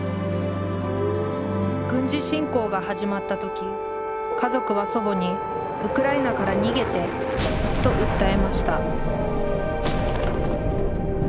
軍事侵攻が始まった時家族は祖母に「ウクライナから逃げて」と訴えました